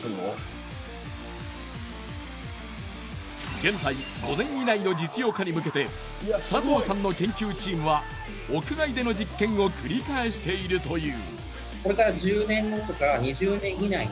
現在５年以内の実用化に向けて佐藤さんの研究チームは屋外での実験を繰り返しているという。